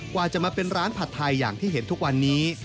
กว่าจะมาเป็นร้านผัดไทยอย่างที่เห็นทุกวันนี้